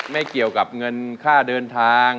ไม่เกี่ยวกับเงินค่าเดินทาง